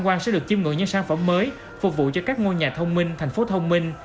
quan sẽ được chiêm ngưỡng những sản phẩm mới phục vụ cho các ngôi nhà thông minh thành phố thông minh